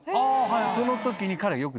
その時に。